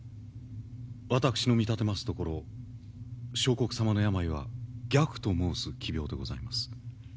私の見立てますところ相国様の病は瘧と申す奇病でございます。